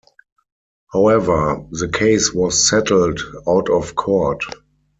However, the case was settled out of court.